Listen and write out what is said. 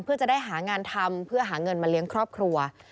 เพื่อจะได้หางานทำเพื่อหาเงินมาเลี้ยงครอบครัว